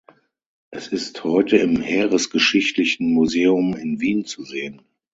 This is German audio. Es ist heute im Heeresgeschichtlichen Museum in Wien zu sehen.